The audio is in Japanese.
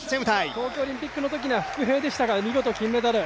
東京オリンピックのときは伏兵でしたが、見事、金メダル。